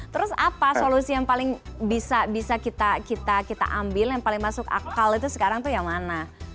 terus apa solusi yang paling bisa kita ambil yang paling masuk akal itu sekarang tuh yang mana